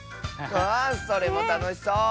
あそれもたのしそう！